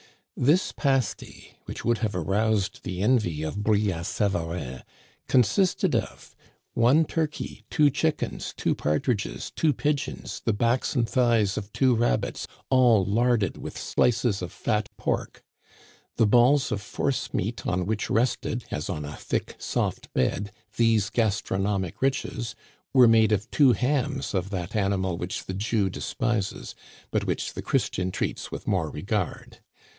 This pasty, which would have aroused the envy of Brillat Savarin, consisted of one turkey, two chickens, two partridges, two pigeons, the backs and thighs of two rabbits, all larded with slices of fat pork. The balls of force meat on which rested, as on a thick, soft bed, these gastronomic riches, were made of two hams of that animal which the Jew despises, but which the Christian treats with more regard.